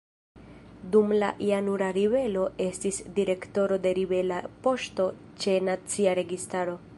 Dum la Januara ribelo estis direktoro de ribela poŝto ĉe Nacia Registaro.